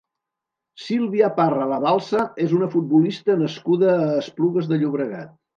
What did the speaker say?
Silvia Parra Labalsa és una futbolista nascuda a Esplugues de Llobregat.